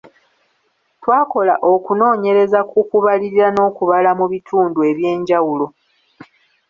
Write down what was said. Twakola okunoonyereza ku kubalirira n’okubala mu bitundu ebyenjawulo.